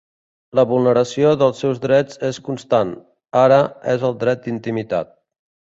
La vulneració dels seus drets és constant, ara és el dret d’intimitat.